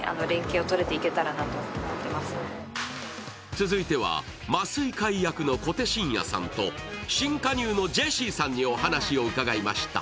続いては麻酔科医役の小手伸也さんと新加入のジェシーさんにお話を伺いました。